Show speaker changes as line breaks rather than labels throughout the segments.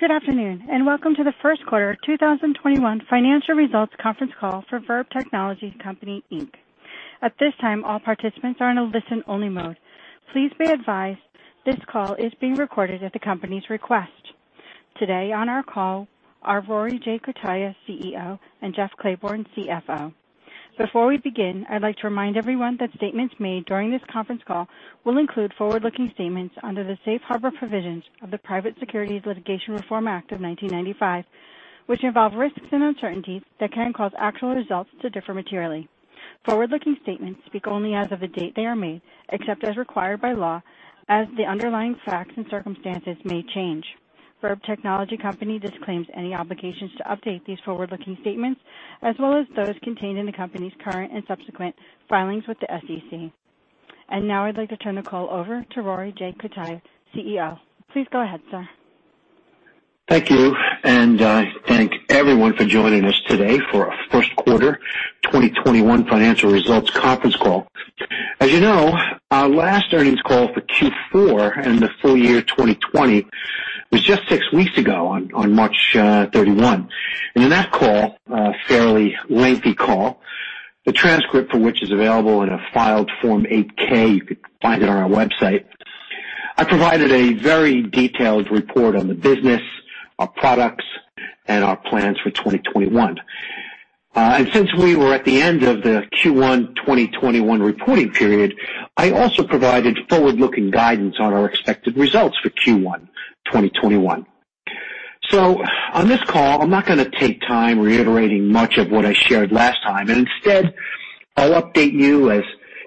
Good afternoon, and welcome to the first quarter 2021 financial results conference call for Verb Technology Company, Inc. At this time, all participants are in a listen-only mode. Please be advised this call is being recorded at the company's request. Today on our call are Rory J. Cutaia, CEO, and Jeff Clayborne, CFO. Before we begin, I'd like to remind everyone that statements made during this conference call will include forward-looking statements under the safe harbor provisions of the Private Securities Litigation Reform Act of 1995, which involve risks and uncertainties that can cause actual results to differ materially. Forward-looking statements speak only as of the date they are made, except as required by law, as the underlying facts and circumstances may change. Verb Technology Company disclaims any obligations to update these forward-looking statements, as well as those contained in the company's current and subsequent filings with the SEC. Now I'd like to turn the call over to Rory J. Cutaia, CEO. Please go ahead, sir.
Thank you, and thank everyone for joining us today for our first quarter 2021 financial results conference call. As you know, our last earnings call for Q4 and the full year 2020 was just six weeks ago on March 31, and in that call, a fairly lengthy call, the transcript for which is available in a filed Form 8-K, you could find it on our website. I provided a very detailed report on the business, our products, and our plans for 2021. Since we were at the end of the Q1 2021 reporting period, I also provided forward-looking guidance on our expected results for Q1 2021. On this call, I'm not going to take time reiterating much of what I shared last time, and instead, I'll update you as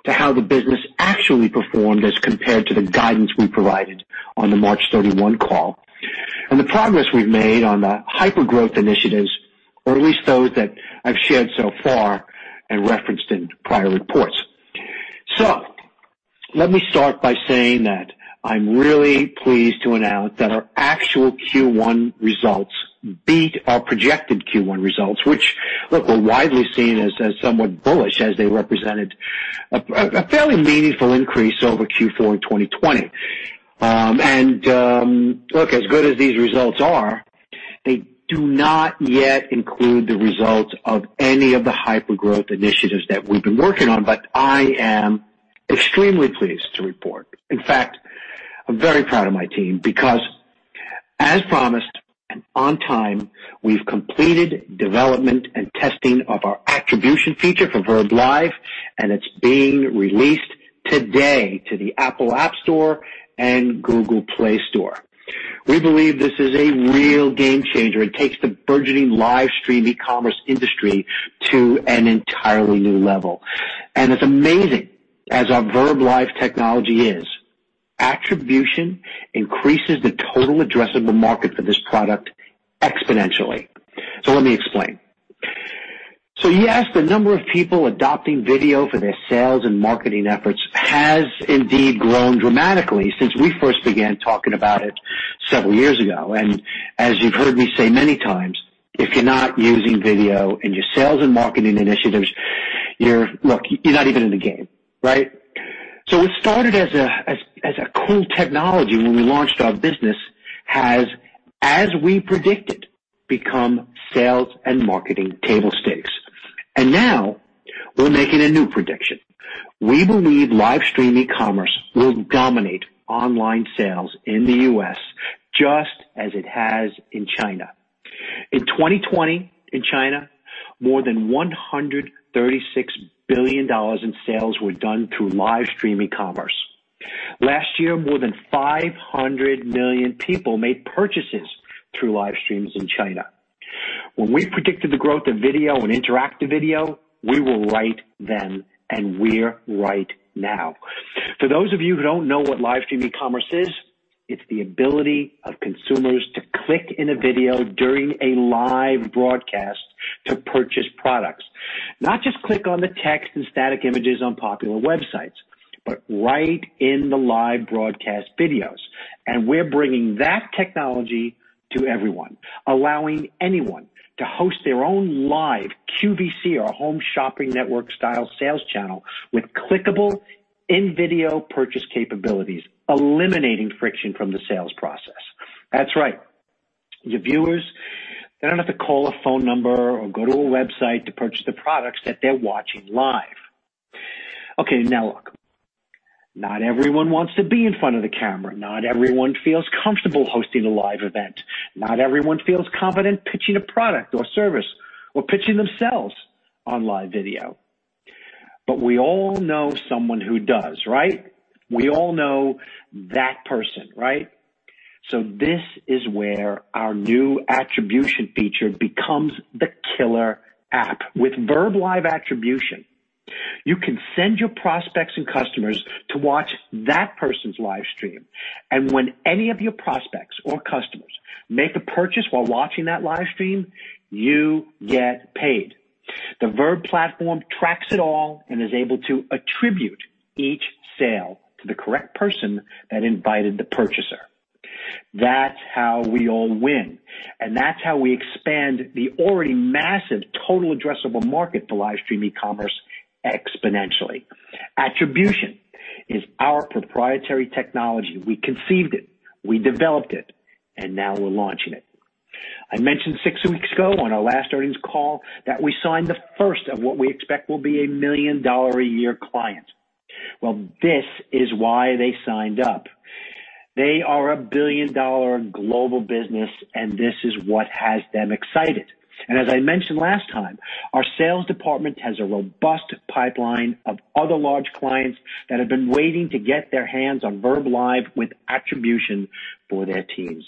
to how the business actually performed as compared to the guidance we provided on the March 31 call, and the progress we've made on the hypergrowth initiatives, or at least those that I've shared so far and referenced in prior reports. Let me start by saying that I'm really pleased to announce that our actual Q1 results beat our projected Q1 results, which, look, were widely seen as somewhat bullish as they represented a fairly meaningful increase over Q4 in 2020. Look, as good as these results are, they do not yet include the results of any of the hypergrowth initiatives that we've been working on, but I am extremely pleased to report. In fact, I'm very proud of my team because, as promised and on time, we've completed development and testing of our attribution feature for verbLIVE, and it's being released today to the Apple App Store and Google Play Store. We believe this is a real game changer. It takes the burgeoning live stream e-commerce industry to an entirely new level. As amazing as our verbLIVE technology is, attribution increases the total addressable market for this product exponentially. Let me explain. Yes, the number of people adopting video for their sales and marketing efforts has indeed grown dramatically since we first began talking about it several years ago. As you've heard me say many times, if you're not using video in your sales and marketing initiatives, look, you're not even in the game, right? What started as a cool technology when we launched our business has, as we predicted, become sales and marketing table stakes. Now we're making a new prediction. We believe live stream e-commerce will dominate online sales in the U.S., just as it has in China. In 2020, in China, more than $136 billion in sales were done through live stream e-commerce. Last year, more than 500 million people made purchases through live streams in China. When we predicted the growth of video and interactive video, we were right then, and we're right now. For those of you who don't know what live stream e-commerce is, it's the ability of consumers to click in a video during a live broadcast to purchase products. Not just click on the text and static images on popular websites, but right in the live broadcast videos. We're bringing that technology to everyone, allowing anyone to host their own live QVC or Home Shopping Network style sales channel with clickable in-video purchase capabilities, eliminating friction from the sales process. That's right. The viewers, they don't have to call a phone number or go to a website to purchase the products that they're watching live. Okay, now look, not everyone wants to be in front of the camera. Not everyone feels comfortable hosting a live event. Not everyone feels confident pitching a product or service or pitching themselves on live video. We all know someone who does, right? We all know that person, right? This is where our new attribution feature becomes the killer app. With verbLIVE attribution, you can send your prospects and customers to watch that person's live stream. When any of your prospects or customers make a purchase while watching that livestream, you get paid. The Verb platform tracks it all and is able to attribute each sale to the correct person that invited the purchaser. That's how we all win. That's how we expand the already massive total addressable market to livestream eCommerce exponentially. Attribution is our proprietary technology. We conceived it, we developed it, and now we're launching it. I mentioned six weeks ago on our last earnings call that we signed the first of what we expect will be a million-dollar-a-year client. Well, this is why they signed up. They are a billion-dollar global business, this is what has them excited. As I mentioned last time, our sales department has a robust pipeline of other large clients that have been waiting to get their hands on verbLIVE with attribution for their teams.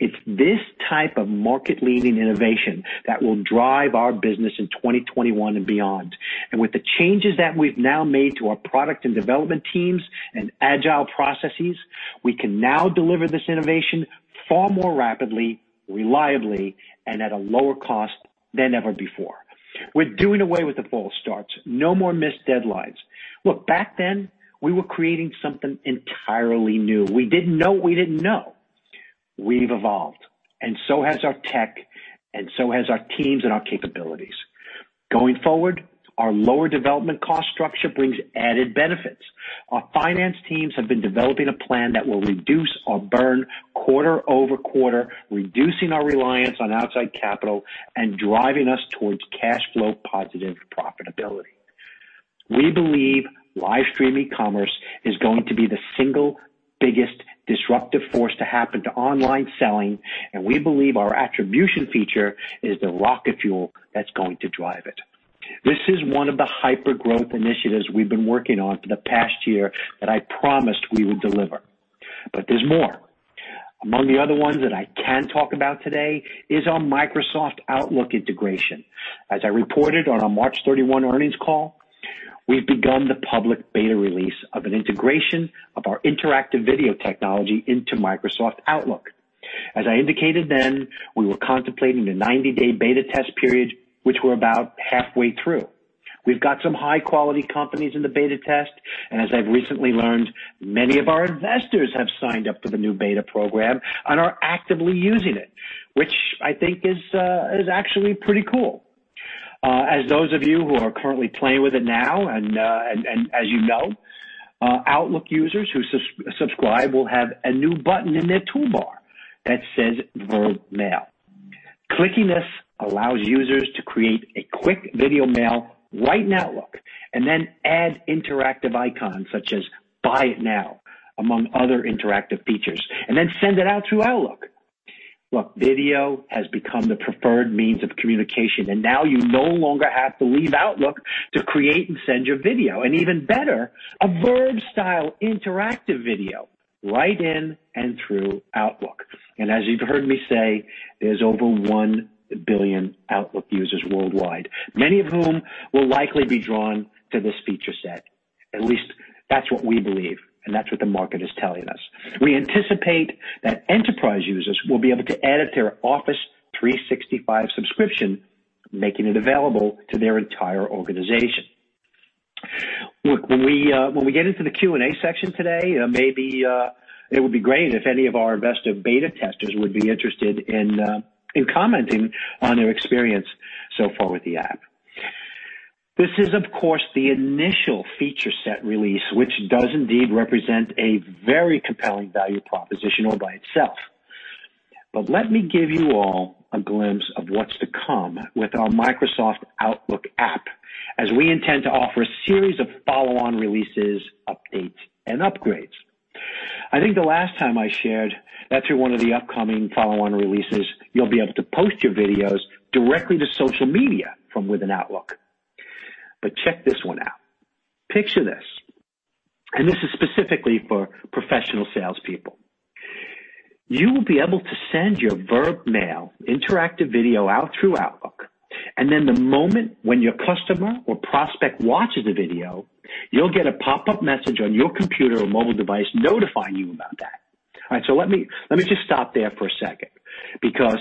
It's this type of market-leading innovation that will drive our business in 2021 and beyond. With the changes that we've now made to our product and development teams and agile processes, we can now deliver this innovation far more rapidly, reliably, and at a lower cost than ever before. We're doing away with the false starts. No more missed deadlines. Back then, we were creating something entirely new. We didn't know what we didn't know. We've evolved, so has our tech, so has our teams and our capabilities. Going forward, our lower development cost structure brings added benefits. Our finance teams have been developing a plan that will reduce our burn quarter-over-quarter, reducing our reliance on outside capital and driving us towards cash flow positive profitability. We believe livestream e-commerce is going to be the single biggest disruptive force to happen to online selling, and we believe our attribution feature is the rocket fuel that's going to drive it. This is one of the hyper-growth initiatives we've been working on for the past year that I promised we would deliver. There's more. Among the other ones that I can talk about today is our Microsoft Outlook integration. As I reported on our March 31 earnings call, we've begun the public beta release of an integration of our interactive video technology into Microsoft Outlook. As I indicated then, we were contemplating a 90-day beta test period, which we're about halfway through. We've got some high-quality companies in the beta test, and as I've recently learned, many of our investors have signed up for the new beta program and are actively using it, which I think is actually pretty cool. As those of you who are currently playing with it now, and as you know, Outlook users who subscribe will have a new button in their toolbar that says verbMAIL. Clicking this allows users to create a quick video mail right in Outlook, and then add interactive icons such as Buy It Now, among other interactive features, and then send it out through Outlook. Look, video has become the preferred means of communication. Now you no longer have to leave Outlook to create and send your video. Even better, a Verb style interactive video right in and through Outlook. As you've heard me say, there's over 1 billion Outlook users worldwide, many of whom will likely be drawn to this feature set. At least that's what we believe, and that's what the market is telling us. We anticipate that enterprise users will be able to add it to their Microsoft 365 subscription, making it available to their entire organization. Look, when we get into the Q&A section today, maybe it would be great if any of our investor beta testers would be interested in commenting on their experience so far with the app. This is, of course, the initial feature set release, which does indeed represent a very compelling value proposition all by itself. Let me give you all a glimpse of what's to come with our Microsoft Outlook app, as we intend to offer a series of follow-on releases, updates, and upgrades. I think the last time I shared that through one of the upcoming follow-on releases, you'll be able to post your videos directly to social media from within Microsoft Outlook. Check this one out. Picture this is specifically for professional salespeople. You will be able to send your verbMAIL interactive video out through Microsoft Outlook, the moment when your customer or prospect watches the video, you'll get a pop-up message on your computer or mobile device notifying you about that. All right. Let me just stop there for a second because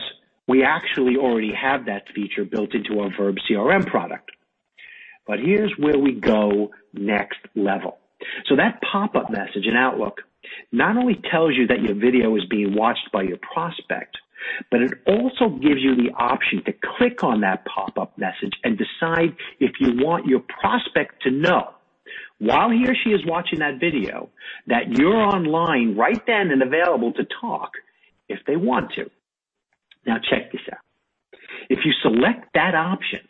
we actually already have that feature built into our verbCRM product. Here's where we go next level. That pop-up message in Outlook not only tells you that your video is being watched by your prospect, but it also gives you the option to click on that pop-up message and decide if you want your prospect to know while he or she is watching that video, that you're online right then and available to talk if they want to. Check this out. If you select that option,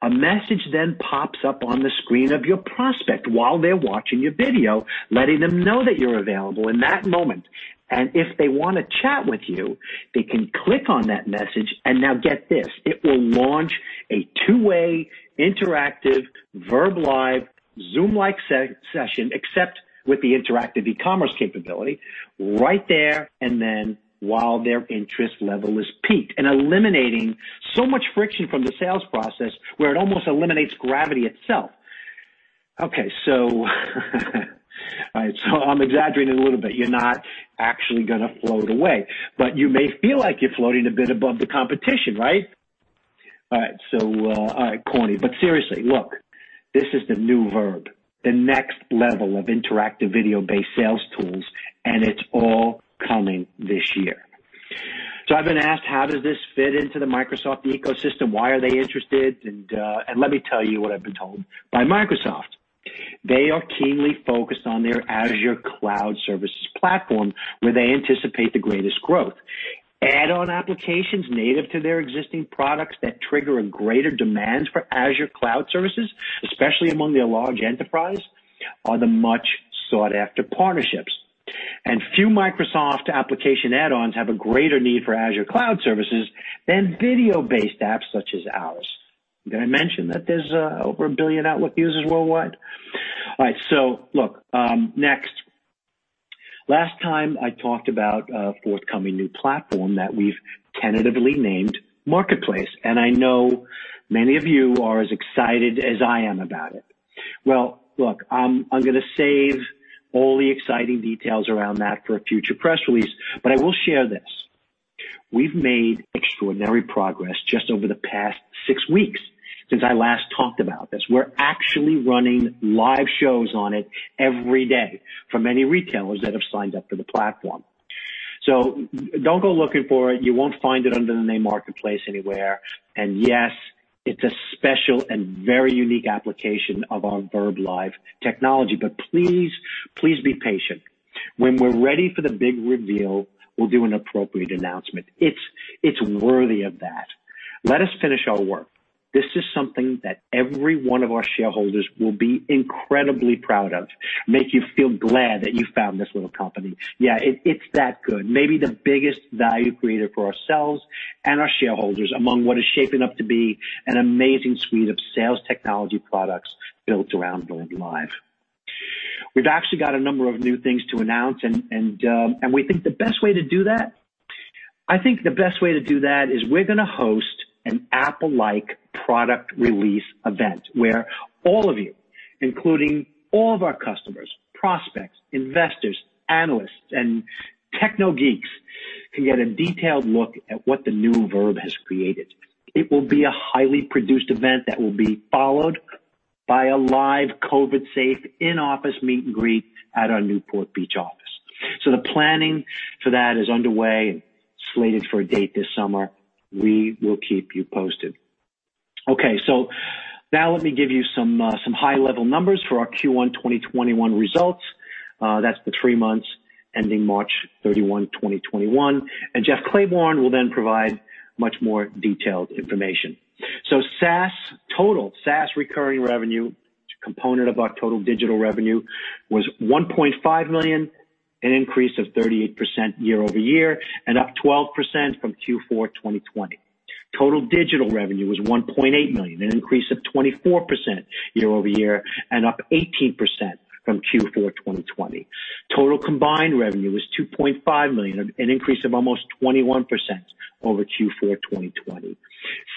a message then pops up on the screen of your prospect while they're watching your video, letting them know that you're available in that moment. If they want to chat with you, they can click on that message, and now get this, it will launch a two-way interactive verbLIVE Zoom-like session, except with the interactive e-commerce capability right there and then while their interest level is peaked and eliminating so much friction from the sales process where it almost eliminates gravity itself. I'm exaggerating a little bit. You're not actually gonna float away, but you may feel like you're floating a bit above the competition, right? All right, corny. Seriously, look, this is the new Verb, the next level of interactive video-based sales tools, and it's all coming this year. I've been asked, how does this fit into the Microsoft ecosystem? Why are they interested? Let me tell you what I've been told by Microsoft. They are keenly focused on their Azure cloud services platform, where they anticipate the greatest growth. Add-on applications native to their existing products that trigger a greater demand for Azure cloud services, especially among their large enterprise, are the much sought-after partnerships. Few Microsoft application add-ons have a greater need for Azure cloud services than video-based apps such as ours. Did I mention that there's over 1 billion Outlook users worldwide? All right. Look, next. Last time I talked about a forthcoming new platform that we've tentatively named MARKET.live, and I know many of you are as excited as I am about it. Look, I'm going to save all the exciting details around that for a future press release. I will share this. We've made extraordinary progress just over the past six weeks since I last talked about this. We're actually running live shows on it every day for many retailers that have signed up for the platform. Don't go looking for it. You won't find it under the name marketplace anywhere. Yes, it's a special and very unique application of our verbLIVE technology. Please be patient. When we're ready for the big reveal, we'll do an appropriate announcement. It's worthy of that. Let us finish our work. This is something that every one of our shareholders will be incredibly proud of, make you feel glad that you found this little company. Yeah, it's that good. Maybe the biggest value creator for ourselves and our shareholders among what is shaping up to be an amazing suite of sales technology products built around verbLIVE. We've actually got a number of new things to announce, and we think the best way to do that is we're going to host an Apple-like product release event where all of you, including all of our customers, prospects, investors, analysts, and techno geeks, can get a detailed look at what the new Verb has created. It will be a highly produced event that will be followed by a live, COVID-safe, in-office meet and greet at our Newport Beach office. The planning for that is underway and slated for a date this summer. We will keep you posted. Let me give you some high-level numbers for our Q1 2021 results. That's the three months ending March 31, 2021, and Jeff Clayborne will then provide much more detailed information. SaaS total, SaaS recurring revenue component of our total digital revenue was $1.5 million, an increase of 38% year-over-year and up 12% from Q4 2020. Total digital revenue was $1.8 million, an increase of 24% year-over-year and up 18% from Q4 2020. Total combined revenue was $2.5 million, an increase of almost 21% over Q4 2020.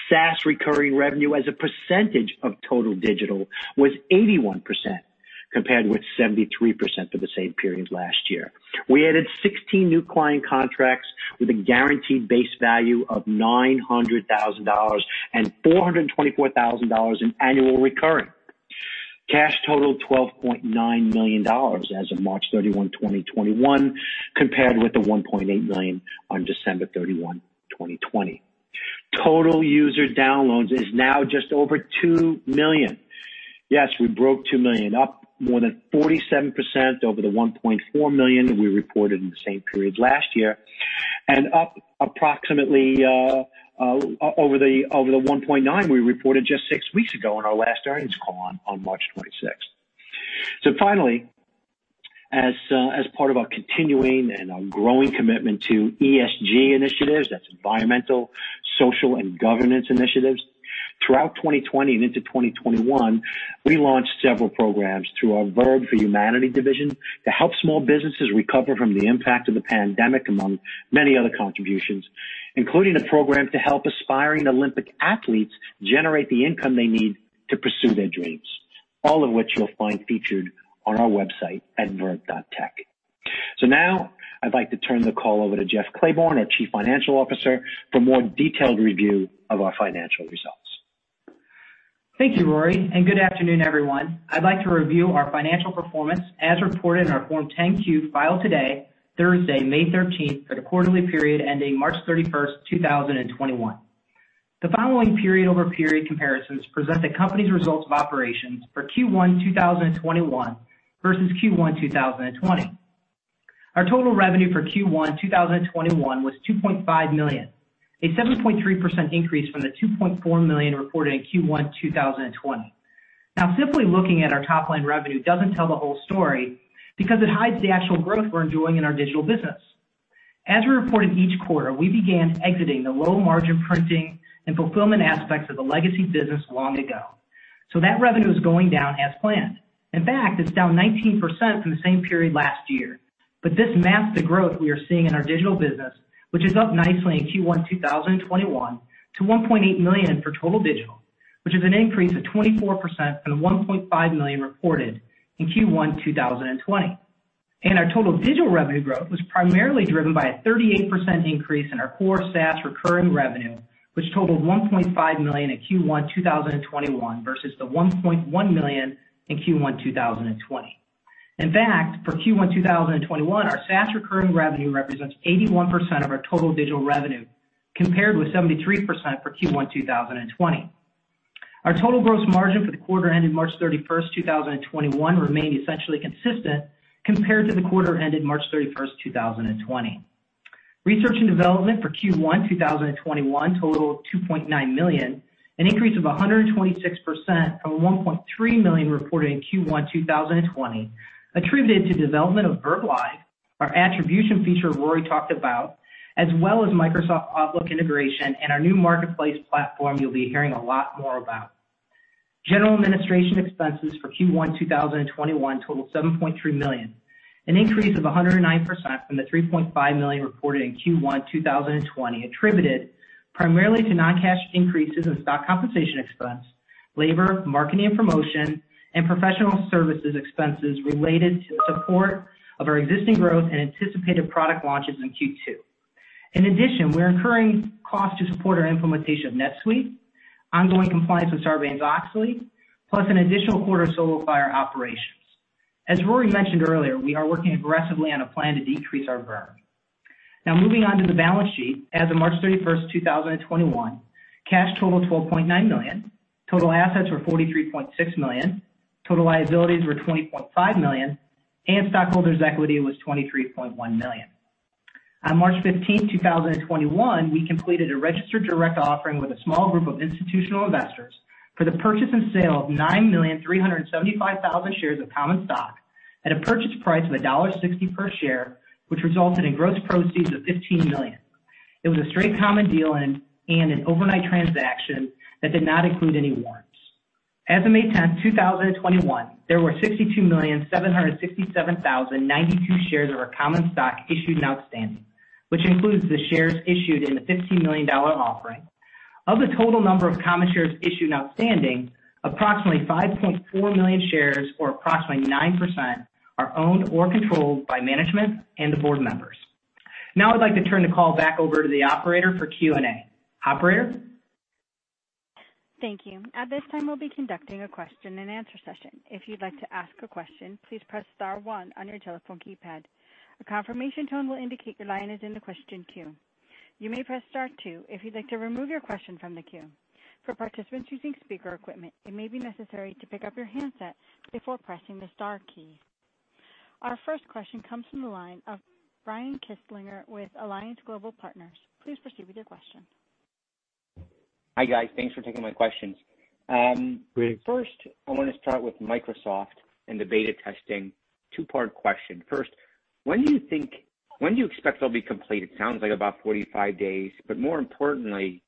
SaaS recurring revenue as a percentage of total digital was 81%, compared with 73% for the same period last year. We added 16 new client contracts with a guaranteed base value of $900,000 and $424,000 in annual recurring. Cash total, $12.9 million as of March 31, 2021, compared with the $1.8 million on December 31, 2020. Total user downloads is now just over 2 million. Yes, we broke 2 million, up more than 47% over the 1.4 million we reported in the same period last year, and up approximately over the 1.9 million we reported just six weeks ago on our last earnings call on March 31st. Finally, as part of our continuing and our growing commitment to ESG initiatives, that's environmental, social, and governance initiatives, throughout 2020 and into 2021, we launched several programs through our Verb for Humanity division to help small businesses recover from the impact of the pandemic, among many other contributions, including a program to help aspiring Olympic athletes generate the income they need to pursue their dreams. All of which you'll find featured on our website at verb.tech. Now I'd like to turn the call over to Jeff Clayborne, our Chief Financial Officer, for more detailed review of our financial results.
Thank you, Rory, and good afternoon, everyone. I'd like to review our financial performance as reported in our Form 10-Q filed today, Thursday, May 13th, for the quarterly period ending March 31st, 2021. The following period-over-period comparisons present the company's results of operations for Q1 2021 versus Q1 2020. Our total revenue for Q1 2021 was $2.5 million, a 7.3% increase from the $2.4 million reported in Q1 2020. Now, simply looking at our top-line revenue doesn't tell the whole story because it hides the actual growth we're enjoying in our digital business. As we reported each quarter, we began exiting the low-margin printing and fulfillment aspects of the legacy business long ago. That revenue is going down as planned. In fact, it's down 19% from the same period last year. This masks the growth we are seeing in our digital business, which is up nicely in Q1 2021 to $1.8 million for total digital, which is an increase of 24% from the $1.5 million reported in Q1 2020. Our total digital revenue growth was primarily driven by a 38% increase in our core SaaS recurring revenue, which totaled $1.5 million in Q1 2021 versus the $1.1 million in Q1 2020. In fact, for Q1 2021, our SaaS recurring revenue represents 81% of our total digital revenue, compared with 73% for Q1 2020. Our total gross margin for the quarter ending March 31st, 2021 remained essentially consistent compared to the quarter ending March 31st, 2020. Research and development for Q1 2021 totaled $2.9 million, an increase of 126% from $1.3 million reported in Q1 2020, attributed to development of verbLIVE, our attribution feature Rory talked about, as well as Microsoft Outlook integration and our new marketplace platform you'll be hearing a lot more about. General administration expenses for Q1 2021 totaled $7.3 million, an increase of 109% from the $3.5 million reported in Q1 2020, attributed primarily to non-cash increases in stock compensation expense, labor, marketing and promotion, and professional services expenses related to support of our existing growth and anticipated product launches in Q2. In addition, we're incurring costs to support our implementation of NetSuite, ongoing compliance with Sarbanes-Oxley, plus an additional quarter of SoloFire operations. As Rory mentioned earlier, we are working aggressively on a plan to decrease our burn. Moving on to the balance sheet. As of March 31st, 2021, cash totaled $12.9 million, total assets were $43.6 million, total liabilities were $20.5 million, and stockholders' equity was $23.1 million. On March 15th, 2021, we completed a registered direct offering with a small group of institutional investors for the purchase and sale of 9,375,000 shares of common stock at a purchase price of $1.60 per share, which resulted in gross proceeds of $15 million. It was a straight common deal and an overnight transaction that did not include any warrants. As of May 10th, 2021, there were 62,767,092 shares of our common stock issued and outstanding, which includes the shares issued in the $15 million offering. Of the total number of common shares issued and outstanding, approximately 5.4 million shares or approximately 9%, are owned or controlled by management and the board members. Now I'd like to turn the call back over to the operator for Q&A. Operator?
Thank you. At this time, we'll be conducting a question and answer session. If you'd like to ask a question, please press star one on your telephone keypad. A confirmation tone will indicate your line is in the question queue. You may press star two if you'd like to remove your question from the queue. For participants using speaker equipment, it may be necessary to pick up your handset before pressing the star key. Our first question comes from the line of Brian Kinstlinger with Alliance Global Partners. Please proceed with your question.
Hi, guys. Thanks for taking my questions.
Great.
First, I want to start with Microsoft and the beta testing. Two-part question. First, when do you expect they'll be completed? Sounds like about 45 days. More importantly,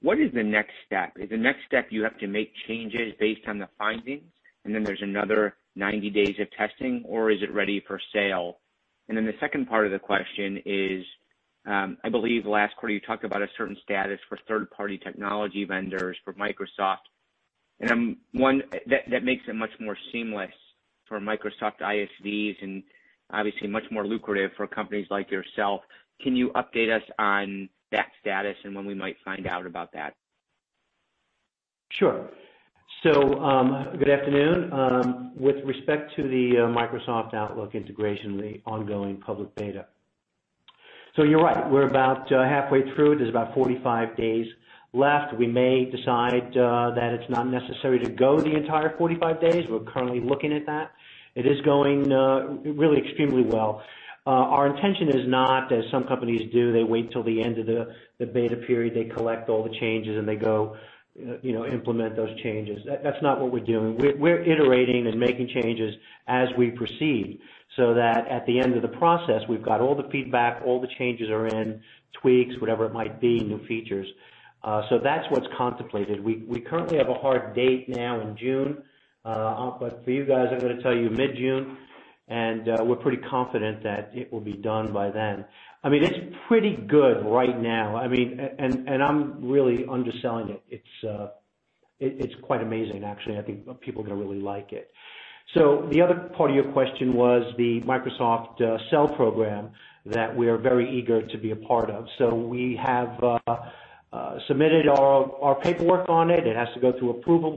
what is the next step? Is the next step, you have to make changes based on the findings, and then there's another 90 days of testing, or is it ready for sale? The second part of the question is, I believe last quarter you talked about a certain status for third-party technology vendors for Microsoft. That makes it much more seamless for Microsoft ISVs, and obviously much more lucrative for companies like yourself. Can you update us on that status and when we might find out about that?
Sure. Good afternoon. With respect to the Microsoft Outlook integration, the ongoing public beta. You're right, we're about halfway through. There's about 45 days left. We may decide that it's not necessary to go the entire 45 days. We're currently looking at that. It is going really extremely well. Our intention is not, as some companies do, they wait till the end of the beta period, they collect all the changes, and they go implement those changes. That's not what we're doing. We're iterating and making changes as we proceed so that at the end of the process, we've got all the feedback, all the changes are in, tweaks, whatever it might be, new features. That's what's contemplated. We currently have a hard date now in June. For you guys, I'm going to tell you mid-June, and we're pretty confident that it will be done by then. It's pretty good right now, and I'm really underselling it. It's quite amazing, actually. I think people are going to really like it. The other part of your question was the Microsoft Co-Sell program that we are very eager to be a part of. We have submitted our paperwork on it. It has to go through approval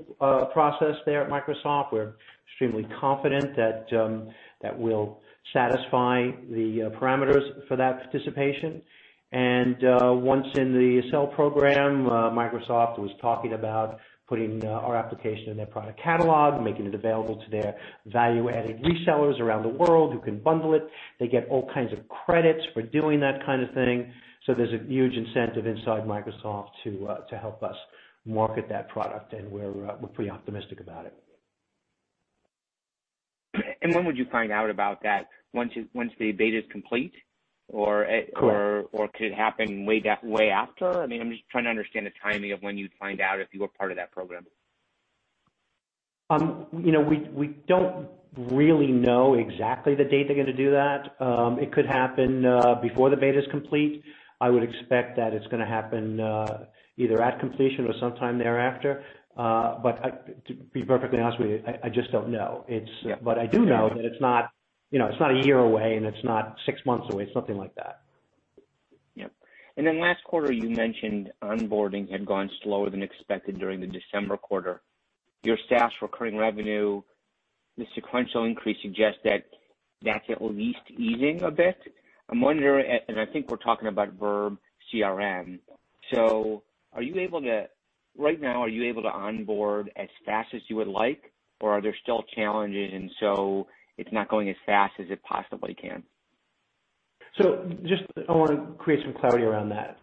process there at Microsoft. We're extremely confident that we'll satisfy the parameters for that participation. Once in the Sell program, Microsoft was talking about putting our application in their product catalog and making it available to their value-added resellers around the world who can bundle it. They get all kinds of credits for doing that kind of thing. There's a huge incentive inside Microsoft to help us market that product, and we're pretty optimistic about it.
When would you find out about that? Once the beta's complete?
Correct
could it happen way after? I'm just trying to understand the timing of when you'd find out if you were part of that program.
We don't really know exactly the date they're going to do that. It could happen before the beta's complete. I would expect that it's going to happen either at completion or sometime thereafter. To be perfectly honest with you, I just don't know. Yeah. I do know that it's not one year away, and it's not six months away. It's nothing like that.
Yep. Last quarter you mentioned onboarding had gone slower than expected during the December quarter. Your SaaS recurring revenue, the sequential increase suggests that that's at least easing a bit. I'm wondering, I think we're talking about verbCRM. Right now, are you able to onboard as fast as you would like, or are there still challenges and so it's not going as fast as it possibly can?
Just I want to create some clarity around that.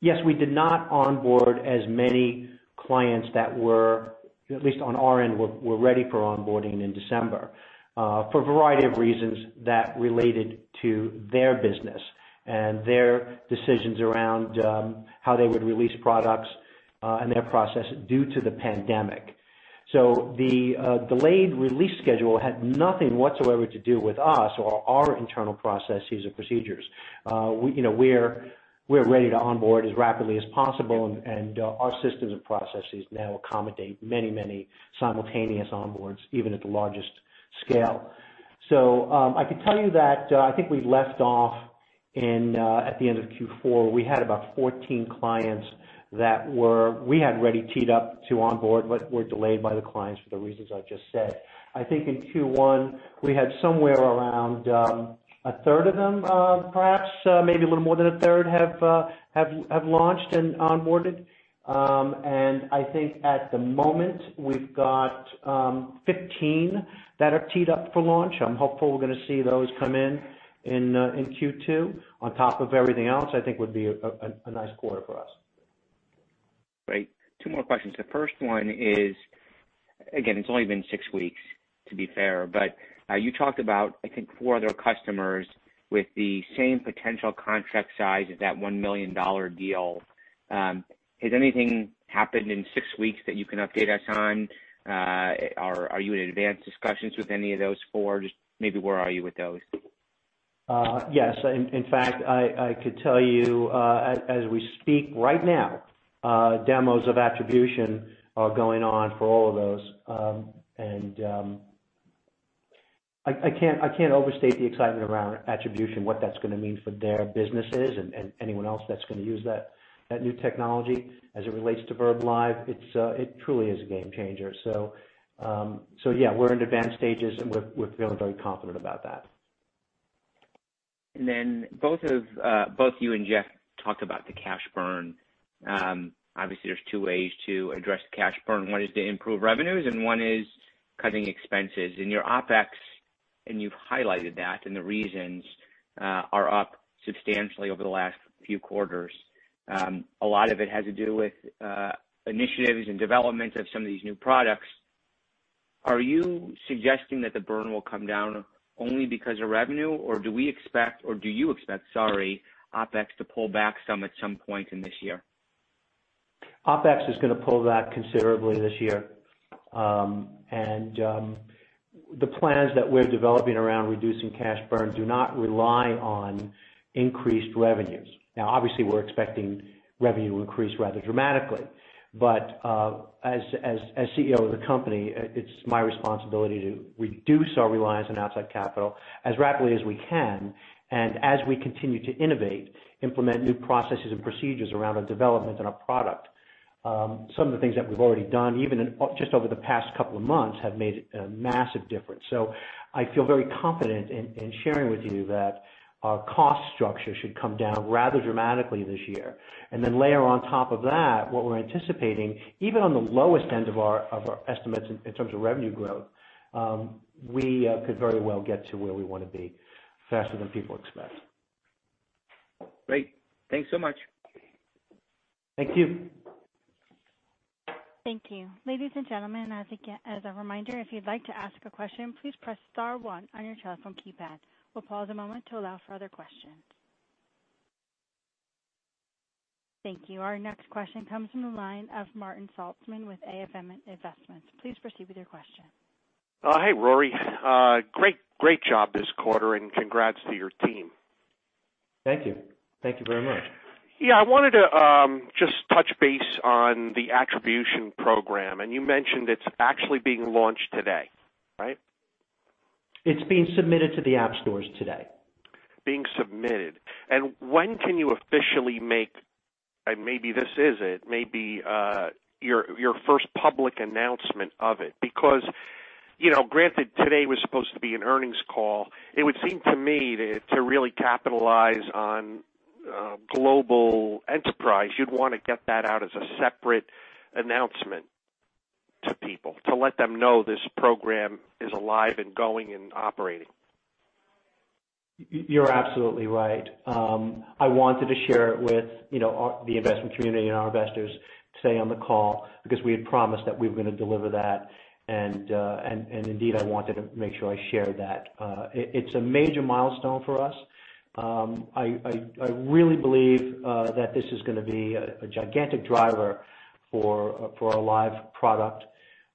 Yes, we did not onboard as many clients that were, at least on our end, were ready for onboarding in December, for a variety of reasons that related to their business and their decisions around how they would release products and their process due to the pandemic. The delayed release schedule had nothing whatsoever to do with us or our internal processes or procedures. We're ready to onboard as rapidly as possible, and our systems and processes now accommodate many, many simultaneous onboards, even at the largest scale. I could tell you that I think we left off at the end of Q4, we had about 14 clients that we had already teed up to onboard, but were delayed by the clients for the reasons I've just said. I think in Q1, we had somewhere around a third of them, perhaps, maybe a little more than a third have launched and onboarded. I think at the moment, we've got 15 that are teed up for launch. I'm hopeful we're going to see those come in Q2 on top of everything else, I think would be a nice quarter for us.
Great. Two more questions. The first one is, again, it's only been six weeks, to be fair, but you talked about, I think four other customers with the same potential contract size of that $1 million deal. Has anything happened in six weeks that you can update us on? Are you in advanced discussions with any of those four? Just maybe where are you with those?
Yes. In fact, I could tell you, as we speak right now, demos of attribution are going on for all of those. I can't overstate the excitement around attribution, what that's gonna mean for their businesses and anyone else that's gonna use that new technology as it relates to verbLIVE. It truly is a game changer. Yeah, we're in advanced stages, and we're feeling very confident about that.
Both you and Jeff talked about the cash burn. Obviously, there's two ways to address cash burn. One is to improve revenues, and one is cutting expenses. Your OpEx, and you've highlighted that, and the reasons are up substantially over the last few quarters. A lot of it has to do with initiatives and development of some of these new products. Are you suggesting that the burn will come down only because of revenue, or do we expect, or do you expect, sorry, OpEx to pull back some at some point in this year?
OpEx is gonna pull back considerably this year. The plans that we're developing around reducing cash burn do not rely on increased revenues. Now, obviously, we're expecting revenue to increase rather dramatically. As CEO of the company, it's my responsibility to reduce our reliance on outside capital as rapidly as we can, and as we continue to innovate, implement new processes and procedures around our development and our product. Some of the things that we've already done, even in just over the past couple of months, have made a massive difference. I feel very confident in sharing with you that our cost structure should come down rather dramatically this year. Layer on top of that what we're anticipating, even on the lowest end of our estimates in terms of revenue growth, we could very well get to where we want to be faster than people expect.
Great. Thanks so much.
Thank you.
Thank you. Ladies and gentlemen, as a reminder, if you'd like to ask a question, please press star one on your telephone keypad. We'll pause a moment to allow for other questions. Thank you. Our next question comes from the line of Martin Saltzman with AFM Investments. Please proceed with your question.
Hey, Rory. Great job this quarter and congrats to your team.
Thank you. Thank you very much.
Yeah, I wanted to just touch base on the attribution program, and you mentioned it's actually being launched today, right?
It's being submitted to the app stores today.
Being submitted. When can you officially make, and maybe this is it, maybe your first public announcement of it? Granted, today was supposed to be an earnings call. It would seem to me to really capitalize on global enterprise, you'd want to get that out as a separate announcement to people, to let them know this program is alive and going and operating.
You're absolutely right. I wanted to share it with the investment community and our investors today on the call because we had promised that we were gonna deliver that. Indeed, I wanted to make sure I shared that. It's a major milestone for us. I really believe that this is gonna be a gigantic driver for our verbLIVE product.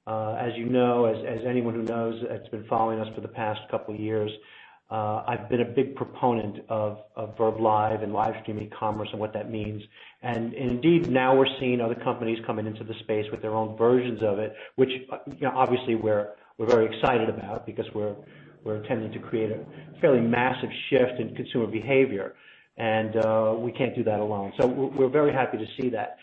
As you know, as anyone who knows that's been following us for the past couple of years, I've been a big proponent of verbLIVE and live streaming commerce and what that means. Indeed, now we're seeing other companies coming into the space with their own versions of it, which obviously we're very excited about because We're intending to create a fairly massive shift in consumer behavior, and we can't do that alone. We're very happy to see that.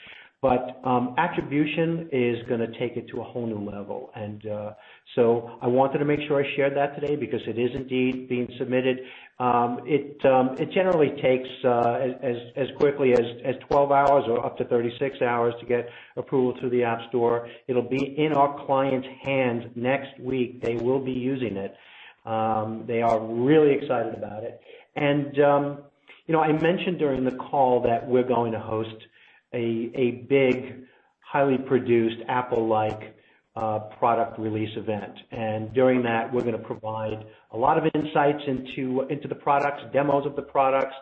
Attribution is going to take it to a whole new level. I wanted to make sure I shared that today because it is indeed being submitted. It generally takes as quickly as 12 hours or up to 36 hours to get approval through the App Store. It'll be in our clients' hands next week. They will be using it. They are really excited about it. I mentioned during the call that we're going to host a big, highly produced Apple-like product release event. During that, we're going to provide a lot of insights into the products, demos of the products,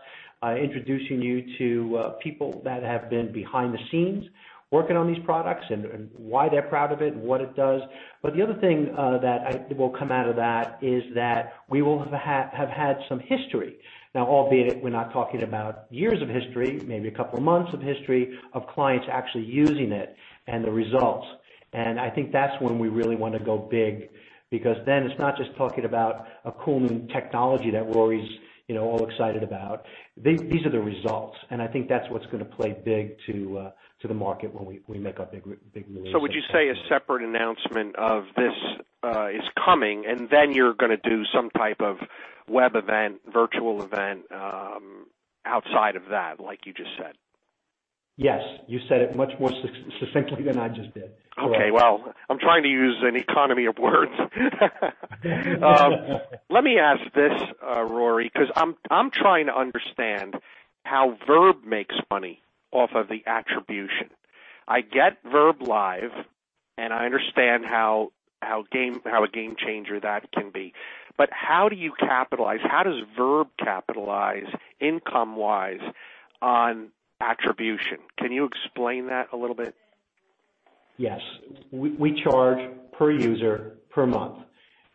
introducing you to people that have been behind the scenes working on these products, and why they're proud of it and what it does. The other thing that will come out of that is that we will have had some history. Albeit we're not talking about years of history, maybe a couple of months of history of clients actually using it and the results. I think that's when we really want to go big, because then it's not just talking about a cool new technology that Rory's all excited about. These are the results, and I think that's what's going to play big to the market when we make our big release.
Would you say a separate announcement of this is coming, and then you're going to do some type of web event, virtual event outside of that, like you just said?
Yes. You said it much more succinctly than I just did.
Okay. Well, I'm trying to use an economy of words. Let me ask this, Rory, because I'm trying to understand how Verb makes money off of the attribution. I get verbLIVE, and I understand how a game-changer that can be. How do you capitalize? How does Verb capitalize income-wise on attribution? Can you explain that a little bit?
Yes. We charge per user per month,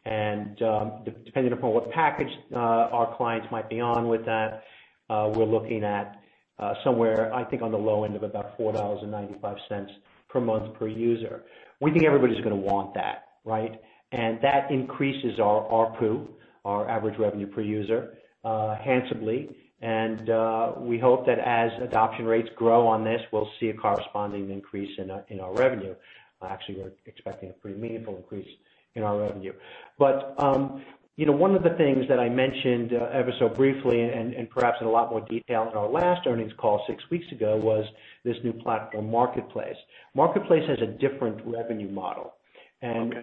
depending upon what package our clients might be on with that, we're looking at somewhere, I think, on the low end of about $4.95 per month per user. We think everybody's going to want that, right? That increases our ARPU, our average revenue per user, handsomely. We hope that as adoption rates grow on this, we'll see a corresponding increase in our revenue. Actually, we're expecting a pretty meaningful increase in our revenue. One of the things that I mentioned ever so briefly and perhaps in a lot more detail in our last earnings call six weeks ago, was this new platform, MARKET.live. MARKET.live has a different revenue model.
Okay.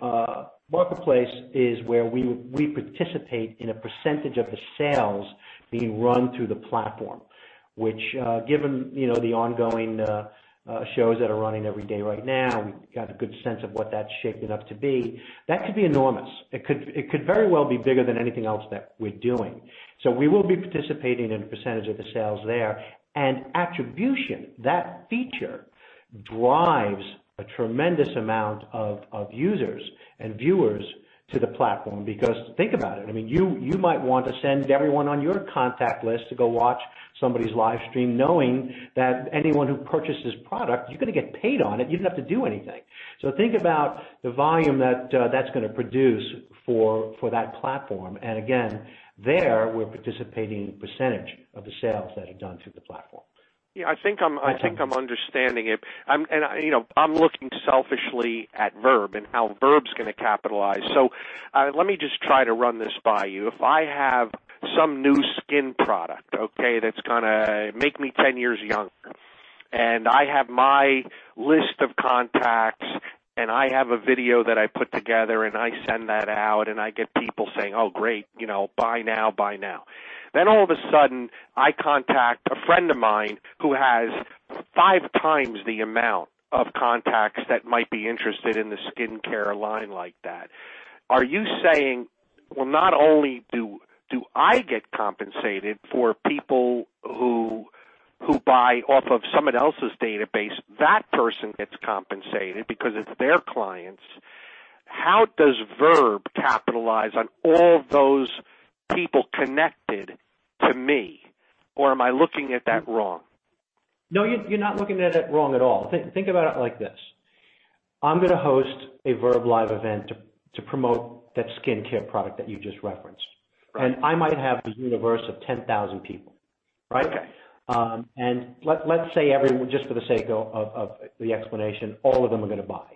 MARKET.live is where we participate in a percentage of the sales being run through the platform, which given the ongoing shows that are running every day right now, we've got a good sense of what that's shaping up to be. That could be enormous. It could very well be bigger than anything else that we're doing. We will be participating in a percentage of the sales there. Attribution, that feature drives a tremendous amount of users and viewers to the platform because think about it. You might want to send everyone on your contact list to go watch somebody's live stream, knowing that anyone who purchases product, you're going to get paid on it. You didn't have to do anything. Think about the volume that's going to produce for that platform. Again, there, we're participating in a percentage of the sales that are done through the platform.
Yeah, I think I'm understanding it. I'm looking selfishly at Verb and how Verb's going to capitalize. Let me just try to run this by you. If I have some new skin product, okay, that's going to make me 10 years younger, and I have my list of contacts, and I have a video that I put together, and I send that out, and I get people saying, "Oh, great. Buy now." All of a sudden, I contact a friend of mine who has five times the amount of contacts that might be interested in the skincare line like that. Are you saying, well, not only do I get compensated for people who buy off of someone else's database, that person gets compensated because it's their clients? How does Verb capitalize on all those people connected to me? Or am I looking at that wrong?
No, you're not looking at it wrong at all. Think about it like this. I'm going to host a verbLIVE event to promote that skincare product that you just referenced.
Right.
I might have a universe of 10,000 people, right?
Okay.
Let's say everyone, just for the sake of the explanation, all of them are going to buy.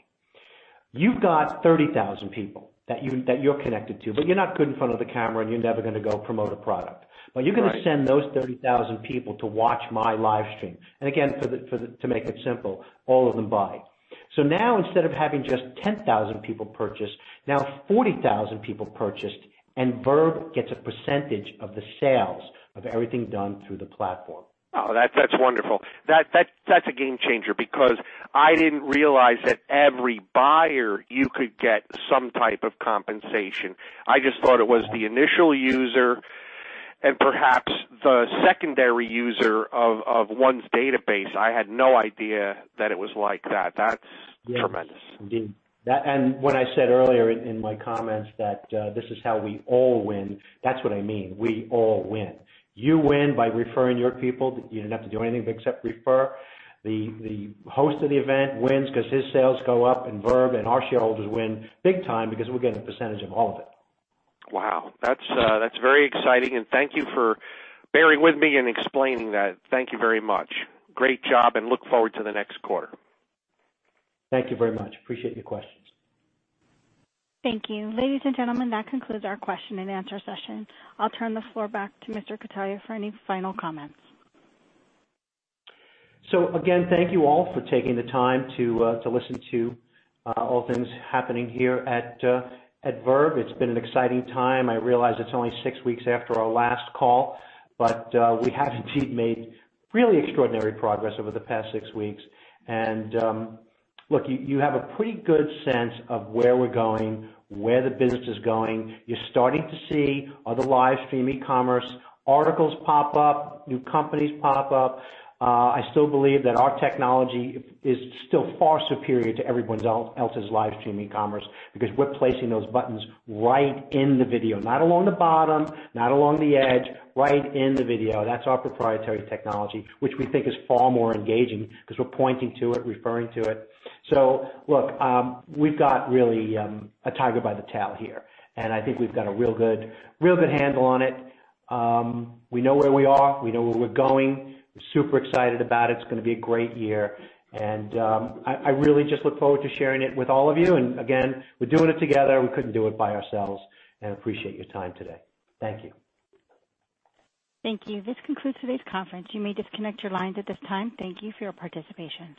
You've got 30,000 people that you're connected to, but you're not good in front of the camera, and you're never going to go promote a product.
Right.
You're going to send those 30,000 people to watch my live stream. Again, to make it simple, all of them buy. Now instead of having just 10,000 people purchase, now 40,000 people purchased, and Verb gets a percentage of the sales of everything done through the platform.
Oh, that's wonderful. That's a game changer because I didn't realize that every buyer you could get some type of compensation. I just thought it was the initial user and perhaps the secondary user of one's database. I had no idea that it was like that. That's tremendous.
Yes, indeed. When I said earlier in my comments that this is how we all win, that's what I mean. We all win. You win by referring your people. You didn't have to do anything except refer. The host of the event wins because his sales go up, and Verb and our shareholders win big time because we're getting a percentage of all of it.
Wow. That's very exciting, and thank you for bearing with me and explaining that. Thank you very much. Great job, and look forward to the next quarter.
Thank you very much. Appreciate your questions.
Thank you. Ladies and gentlemen, that concludes our question and answer session. I'll turn the floor back to Mr. Cutaia for any final comments.
Again, thank you all for taking the time to listen to all things happening here at Verb. It's been an exciting time. I realize it's only six weeks after our last call, we have indeed made really extraordinary progress over the past six weeks. Look, you have a pretty good sense of where we're going, where the business is going. You're starting to see other live stream e-commerce articles pop up, new companies pop up. I still believe that our technology is still far superior to everyone else's live stream e-commerce because we're placing those buttons right in the video. Not along the bottom, not along the edge, right in the video. That's our proprietary technology, which we think is far more engaging because we're pointing to it, referring to it. Look, we've got really a tiger by the tail here, and I think we've got a real good handle on it. We know where we are, we know where we're going. We're super excited about it. It's going to be a great year, and I really just look forward to sharing it with all of you. Again, we're doing it together. We couldn't do it by ourselves, and appreciate your time today. Thank you.
Thank you. This concludes today's conference. You may disconnect your lines at this time. Thank you for your participation.